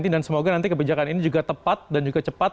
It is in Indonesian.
dan semoga nanti kebijakan ini juga tepat dan juga cepat